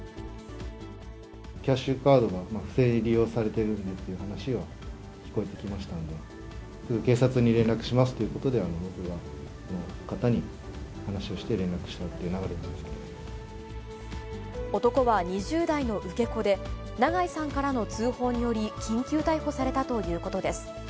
キャッシュカードが不正に利用されているという話が聞こえてきましたので、すぐ警察に連絡しますということで、僕がその方に話をして、男は２０代の受け子で、長井さんからの通報により、緊急逮捕されたということです。